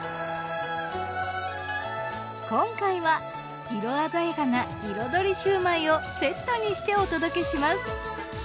今回は色鮮やかないろどり焼売をセットにしてお届けします。